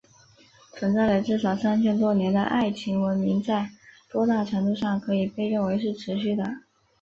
存在了至少三千多年的爱琴文明在多大程度上可以被认为是持续的？